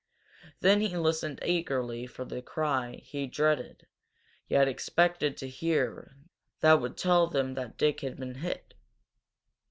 Then he listened eagerly for the cry he dreaded yet expected to hear that would tell him that Dick had been hit.